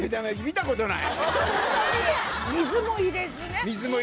水も入れず。